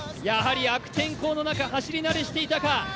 やはり悪天候の中、走り慣れしていたか。